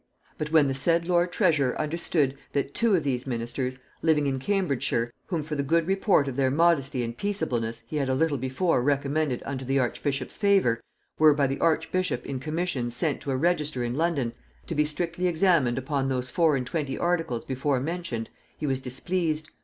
"But when the said lord treasurer understood, that two of these ministers, living in Cambridgeshire, whom for the good report of their modesty and peaceableness he had a little before recommended unto the archbishop's favor, were by the archbishop in commission sent to a register in London, to be strictly examined upon those four and twenty articles before mentioned, he was displeased.